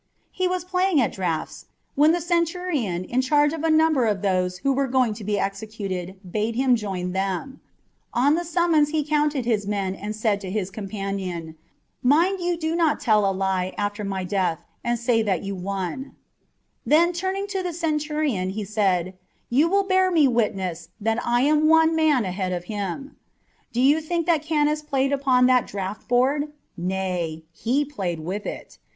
He was playing at draughts when the centurion in charge of a number of those who where going to be executed bade him join them : on the summons he counted his men and said to his companion, " Mind you do not tell a lie after my death, and say that you won ;" then, turning to the cen turion, he said " You will bear me witness that I am one man ahead of him." Do you think that Kanus played upon that draught board ? nay, he played with it.